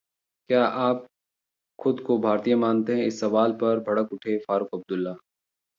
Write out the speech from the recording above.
क्या आप खुद को भारतीय मानते हैं? इस सवाल पर भड़क उठे फारूक अब्दुल्ला